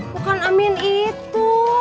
bukan amin itu